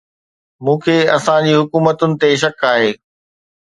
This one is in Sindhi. مون کي اسان جي حڪومتن تي شڪ آهي